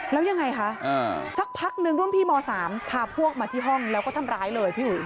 แล้วยังไงคะสักพักนึงรุ่นพี่ม๓พาพวกมาที่ห้องแล้วก็ทำร้ายเลยพี่อุ๋ย